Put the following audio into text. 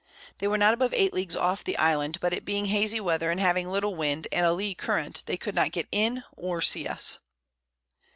They were not above 8 Leagues off the Island, but it being hazey Weather, and having little Wind, and a Lee Current, they could not get in, or see us.